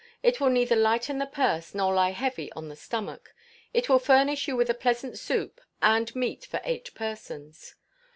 It will neither lighten the purse nor lie heavy on the stomach. It will furnish you with a pleasant soup, and meat for eight persons.